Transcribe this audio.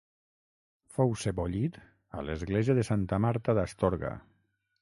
Fou sebollit a l'església de Santa Marta d'Astorga.